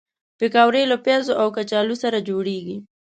پکورې له پیازو او کچالو سره جوړېږي